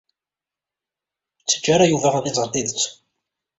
Ur ttajja ara Yuba ad iẓer tidet.